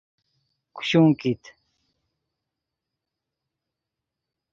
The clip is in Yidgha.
کوشون کیت